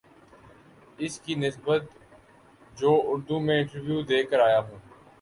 اس کی نسبت جو اردو میں انٹرویو دے کر آ یا ہو